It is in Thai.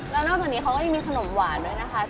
แล้วนอกจากนี้เขาก็ยังมีขนมหวานด้วยนะคะ